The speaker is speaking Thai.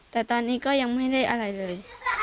แต่ตอนนี้ก็ยังไม่ได้อะไรเลย